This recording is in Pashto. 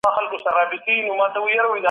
اقتصاد مخکي زيانمن سوی وو.